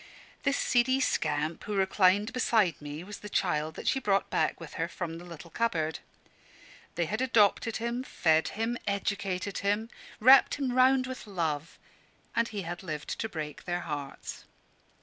This seedy scamp who reclined beside me was the child that she brought back with her from the little cupboard. They had adopted him, fed him, educated him, wrapped him round with love; and he had lived to break their hearts.